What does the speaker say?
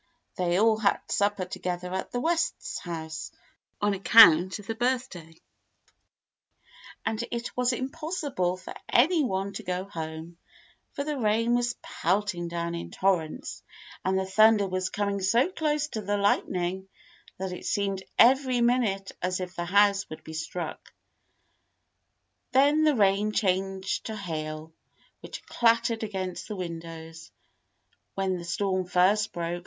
They all had supper together at the Wests' house, on account of THE BIRTHDAY DINNER 99 the birthday, and it was impossible for any one to go home, for the rain was pelting down in torrents, and the thunder was coming so close to the lightning that it seemed every minute as if the house would be struck. Then the rain changed to hail, which clattered against the windows. When the storm first broke.